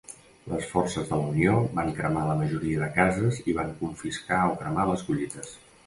Les forces de la Unió van cremar la majoria de cases i van confiscar o cremar les collites.